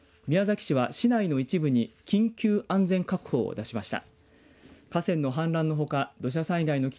宮崎市は、市内の一部に緊急安全確保を出しました。